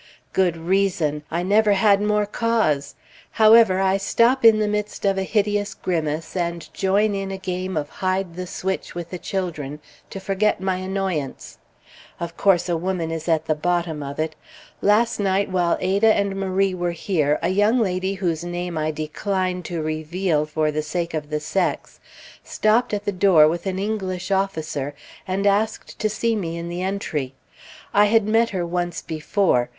Good reason! I never had more cause! However, I stop in the midst of a hideous grimace, and join in a game of hide the switch with the children to forget my annoyance. Of course a woman is at the bottom of it. Last night while Ada and Marie were here, a young lady whose name I decline to reveal for the sake of the sex, stopped at the door with an English officer, and asked to see me in the entry. I had met her once before.